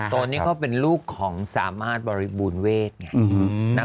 ตอนนี้เขาเป็นลูกของสามารถบริบูรณเวทไง